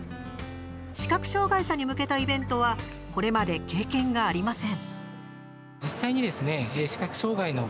視覚障害者に向けたイベントはこれまで経験がありません。